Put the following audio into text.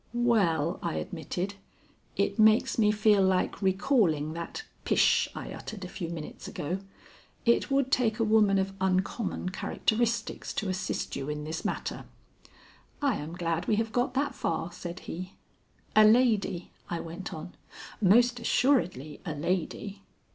"Well," I admitted, "it makes me feel like recalling that pish I uttered a few minutes ago. It would take a woman of uncommon characteristics to assist you in this matter." "I am glad we have got that far," said he. "A lady," I went on. "Most assuredly a lady."